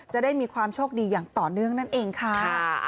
จะได้มีความโชคดีอย่างต่อเนื่องนั่นเองค่ะ